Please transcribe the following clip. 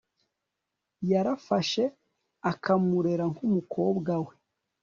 yarafashe akamurera nk umukobwa we